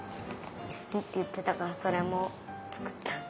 すきっていってたからそれもつくった。